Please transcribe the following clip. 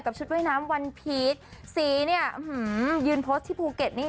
กับชุดว่ายน้ำสีนี่หือยืนที่ภูเกชนี่